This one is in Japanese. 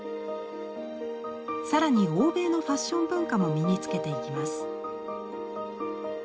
更に欧米のファッション文化も身につけていきます。